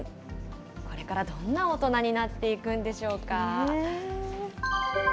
これからどんな大人になっていくんでしょうか。